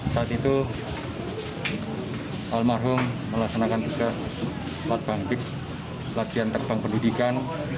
saat itu almarhum melaksanakan tugas latihan terbang pendidikan